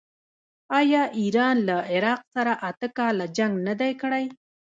آیا ایران له عراق سره اته کاله جنګ نه دی کړی؟